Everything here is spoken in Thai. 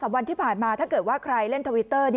วันที่ผ่านมาถ้าเกิดว่าใครเล่นทวิตเตอร์